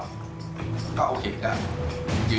อันดับสุดท้ายแก่มือ